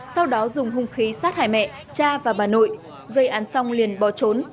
sau đó dùng hung khí sát hại mẹ cha và bà nội gây án xong liền bỏ trốn